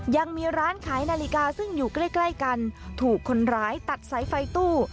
ยังมีร้านขายนาฬิกาซึ่งอยู่ใกล้ใกล้กันถูกคนร้ายตัดสายไฟตู้